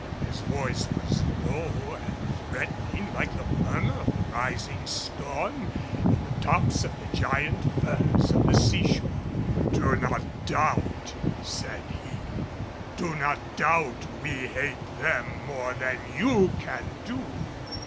His voice was low and threatening like the murmur of the rising storm in the tops of the giant firs of the seashore. "Do not doubt," said he. "Do not doubt we hate them more than you can do."